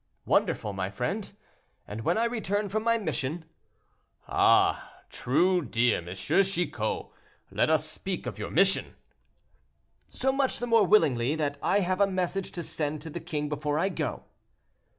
"Wonderful! my friend; and when I return from my mission—" "Ah! true, dear M. Chicot; let us speak of your mission." "So much the more willingly, that I have a message to send to the king before I go."